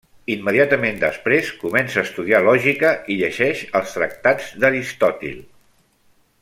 Immediatament després, comença a estudiar lògica i llegeix els tractats d'Aristòtil.